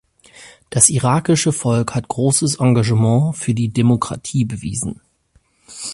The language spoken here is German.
Das irakische Volk hat großes Engagement für die Demokratie bewiesen.